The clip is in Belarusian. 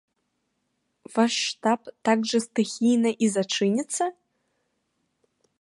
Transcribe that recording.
Ваш штаб так жа стыхійна і зачыніцца?